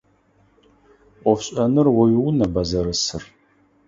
Ӏофшӏэныр о уиунэба зэрысыр?